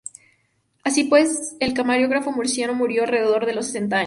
Así pues, el comediógrafo murciano murió alrededor de los setenta años.